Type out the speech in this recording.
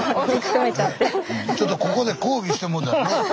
ちょっとここで講義してもうた。